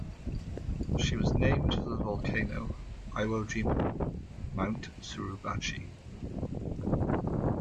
She was named for the volcano of Iwo Jima, Mount Suribachi.